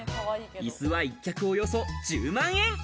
いすは１脚およそ１０万円。